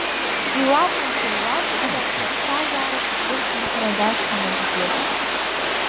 Илакәымшәа, илакәушәа, ҽа ԥсҭазаарак сзырхынҳәра дашьҭам аӡәгьы.